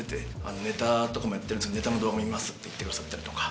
ネタとかもやってるんですけど「ネタの動画見ます」って言ってくださったりとか。